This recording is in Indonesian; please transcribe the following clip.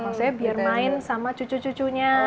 maksudnya biar main sama cucu cucunya